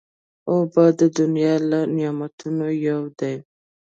اوبه د دنیا له نعمتونو یو دی.